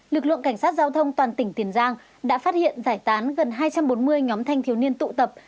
lực lượng cảnh sát giao thông toàn tỉnh tiền giang đã phát hiện giải tán gần hai trăm bốn mươi nhóm thanh thiếu niên tụ tập